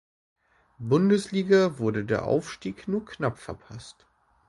Bundesliga wurde der Aufstieg nur knapp verpasst.